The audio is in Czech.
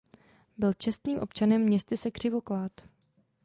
Byl čestným občanem městyse Křivoklát.